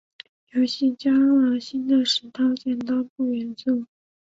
游戏加入了新的石头剪刀布元素。